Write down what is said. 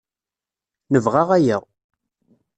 Nebɣa aya.